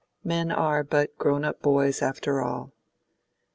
Men are but grown up boys after all.